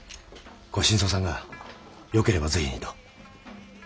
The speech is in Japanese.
ご新造さんがよければぜひにと。